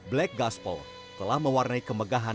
black gospel telah mewarnai kekuatan tuhan